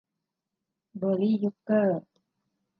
เบอร์ลี่ ยุคเกอร์